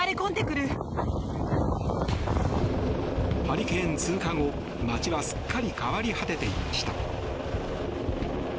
ハリケーン通過後、街はすっかり変わり果てていました。